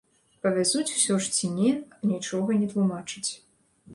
Павязуць усё ж ці не, нічога не тлумачаць.